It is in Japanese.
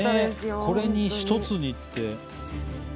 ねえこれに１つにって。